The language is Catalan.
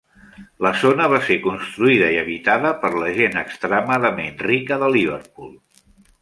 La zona va ser construïda i habitada per la gent extremadament rica de Liverpool.